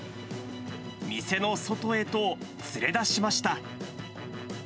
店の外へと連れ出しました。